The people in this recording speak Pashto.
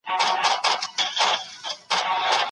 بدن ته مو پام وکړئ ځکه هغه ستاسو د ژوند وسيله ده.